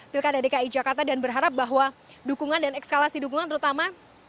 pilkada dki jakarta dan berharap bahwa dukungan dan ekskalasi dukungan terutama